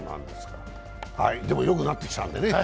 でもよくなってきたんでね。